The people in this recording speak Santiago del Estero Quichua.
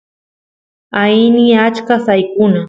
aini achka saykuna